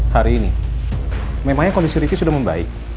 hari ini memangnya kondisi revie sudah membaik